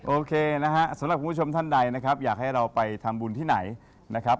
โอเคนะฮะสำหรับคุณผู้ชมท่านใดนะครับอยากให้เราไปทำบุญที่ไหนนะครับ